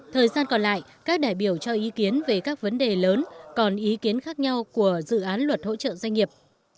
thời gian còn lại các đại biểu cho ý kiến về các vấn đề lớn còn ý kiến khác nhau của dự án luật hỗ trợ doanh nghiệp